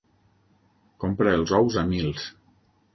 Compra els ous a mils.